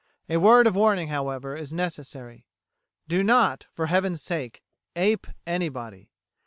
A word of warning, however, is necessary. Do not, for Heaven's sake, ape anybody.